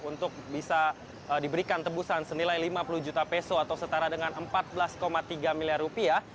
untuk bisa diberikan tebusan senilai lima puluh juta peso atau setara dengan empat belas tiga miliar rupiah